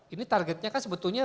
ini targetnya kan sebetulnya